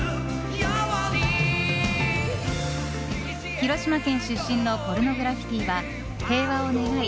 広島県出身のポルノグラフィティは平和を願い